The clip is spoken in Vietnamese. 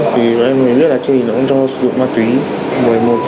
thì em mới biết là chơi thì nó cũng cho sử dụng ma túy